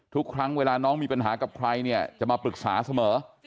ทุกครั้งเวลาน้องมีปัญหากับใครเนี่ยจะมาปรึกษาเสมอ